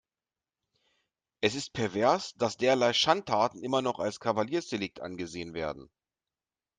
Es ist pervers, dass derlei Schandtaten immer noch als Kavaliersdelikt angesehen werden.